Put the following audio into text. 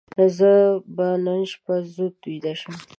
زه به نن شپه زود ویده شم.